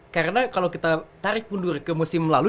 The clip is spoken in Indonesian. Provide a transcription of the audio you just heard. karena kalau kita tarik mundur ke musim lalu